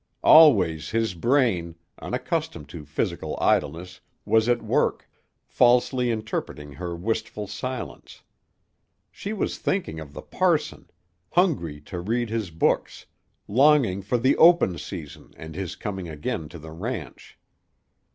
Always his brain, unaccustomed to physical idleness, was at work, falsely interpreting her wistful silence she was thinking of the parson, hungry to read his books, longing for the open season and his coming again to the ranch.